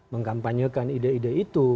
mengkampanyekan ide ide itu